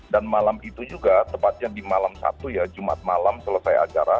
malam itu juga tepatnya di malam satu ya jumat malam selesai acara